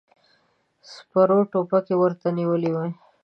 سپرو ټوپکې ورته نيولې وې.